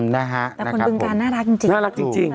แล้วคนบึงการน่ารักจริง